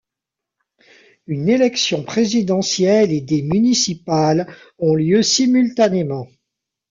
Une élection présidentielle et des municipales ont lieu simultanément.